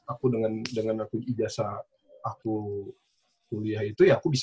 aku dengan ijazah kuliah itu ya aku bisa